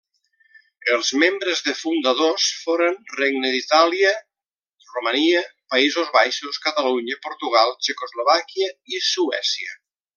Els membres de fundadors foren Regne d'Itàlia, Romania, Països Baixos, Catalunya, Portugal, Txecoslovàquia, i Suècia.